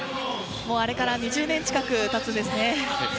もう、あれから２０年近く経つんですね。